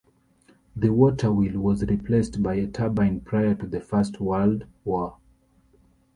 The water wheel was replaced by a turbine prior to the First World War.